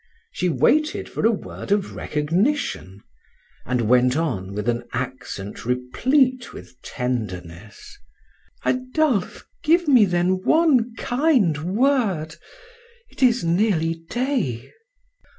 She waited for a word of recognition, and went on with an accent replete with tenderness: "Adolphe, give me then one kind word!... It is nearly day."